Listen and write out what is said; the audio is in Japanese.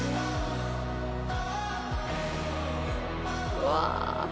うわ。